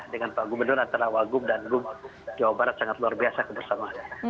dengan pak gubernur antara wak guub dan guub jawa barat sangat luar biasa kebersamaan